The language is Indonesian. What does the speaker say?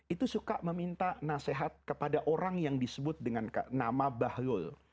itu suka meminta nasihat kepada orang yang disebut dengan nama bahlul